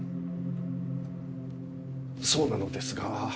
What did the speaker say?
そうなのですが。